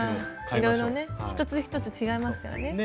いろいろね一つ一つ違いますからね。